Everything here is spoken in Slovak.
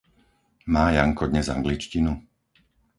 Má Janko dnes angličtinu?